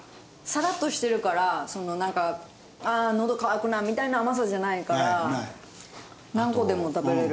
サラッとしてるからそのなんか「ああのど渇くな」みたいな甘さじゃないから何個でも食べれる。